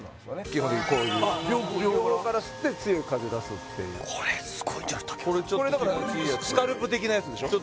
基本的にこういう両方から吸って強い風出すっていうこれちょっと気持ちいいやつこれスカルプ的なやつでしょ？